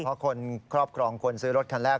เพราะคนครอบครองคนซื้อรถคันแรก